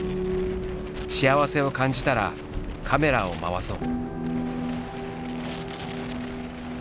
幸せを感じたらカメラを回そう。